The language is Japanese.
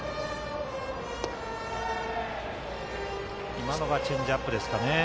先程のがチェンジアップですかね。